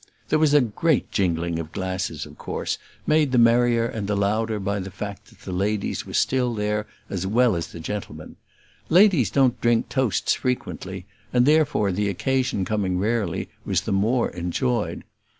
There was a great jingling of glasses, of course; made the merrier and the louder by the fact that the ladies were still there as well as the gentlemen. Ladies don't drink toasts frequently; and, therefore, the occasion coming rarely was the more enjoyed.